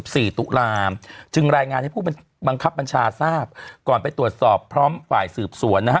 สี่ตุลาจึงรายงานให้ผู้บังคับบัญชาทราบก่อนไปตรวจสอบพร้อมฝ่ายสืบสวนนะฮะ